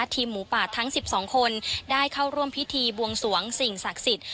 ทีมหมูป่าทั้ง๑๒คนได้เข้าร่วมพิธีบวงสวงสิ่งศักดิ์สิทธิ์